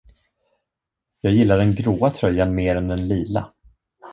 Jag gillar den gråa tröjan mer än den lila.